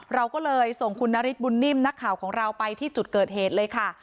เราก็เลยส่งคุณนฤทธบุญนิ่มนักข่าวของเราไปที่จุดเกิดเหตุเลยค่ะ